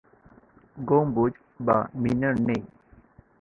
গম্বুজ বা মিনার নেই।